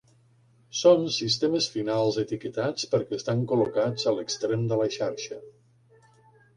Són sistemes finals etiquetats perquè estan col·locats a l'extrem de la xarxa.